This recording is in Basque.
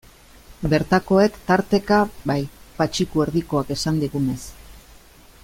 Bertakoek, tarteka, bai, Patxiku Erdikoak esan digunez.